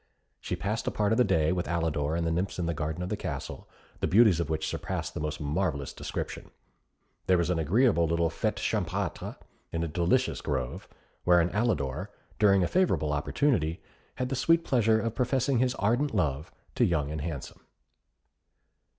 She passed a part of the day with Alidor and the nymphs in the garden of the castle, the beauties of which surpassed the most marvellous description. There was an agreeable little fête champêtre in a delicious grove, wherein Alidor, during a favourable opportunity, had the sweet pleasure of professing his ardent love to Young and Handsome.